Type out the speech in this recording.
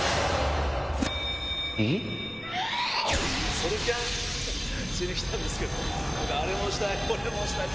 ソロキャンしに来たんですけどあれもしたいこれもしたい。